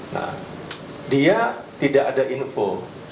nah dia tidak ada info